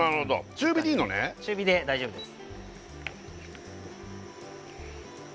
中火で大丈夫です